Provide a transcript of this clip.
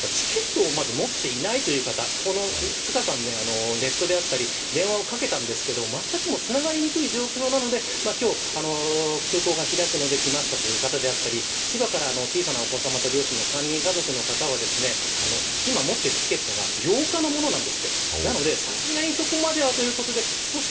そもそも、チケットをまず持っていないという方２日間、ネットであったり電話をかけたんですけどまったくつながりにくい状況なので今日、空港が開くので来ましたということだったり千葉から、小さなお子さまと両親の３人家族の方は今持っているチケットが８日のものなんですって。